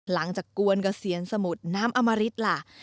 หลังจากกวนเกษียณสมุทรน้ำอมริตล่ะ